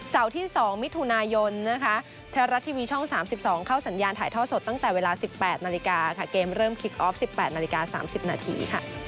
ส่วนต้นเดือนมิถุนายนแทระรัดทีวีช่อง๓๒เข้าสัญญาณถ่ายทอดสดตั้งแต่เวลา๑๘นาฬิกาเกมเริ่มคิกออฟท์๑๘นาฬิกา๓๐นาที